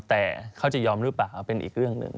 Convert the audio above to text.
แต่เขาจะยอมหรือเปล่าเป็นอีกเรื่องหนึ่ง